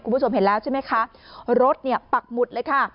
คุณผู้ชมเห็นแล้วใช่ไหมคะรถเนี่ยปักหมุดเลยค่ะ